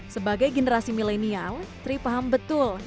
sebagai generasi milenial tri paham betul